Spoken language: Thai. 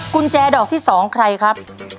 กุญแจดอกที่๒ใครครับ